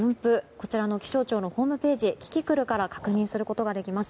こちらの気象庁のホームページキキクルから確認することができます。